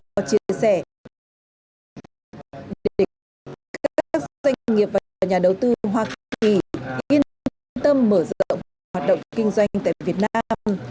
bởi do chia sẻ các doanh nghiệp và nhà đầu tư hoa kỳ yên tâm mở rộng hoạt động kinh doanh tại việt nam